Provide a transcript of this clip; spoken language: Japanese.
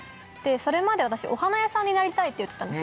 それまで私お花屋さんになりたいって言ってたんですよ。